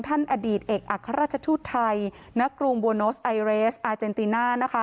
ท่านอดีตเอกอัครราชธุไทยนักกรุงบูนโนซไอเรสอาร์เจนตินา